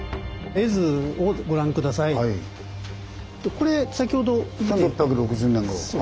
これ先ほど見て。